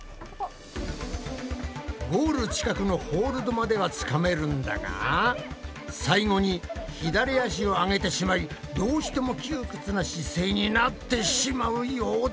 ゴール近くのホールドまではつかめるんだが最後に左足を上げてしまいどうしても窮屈な姿勢になってしまうようだ。